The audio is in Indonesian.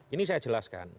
ini saya jelaskan